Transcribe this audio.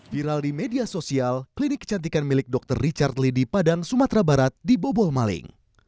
viral di media sosial klinik kecantikan milik dr richard leedi padang sumatera barat dibobol maling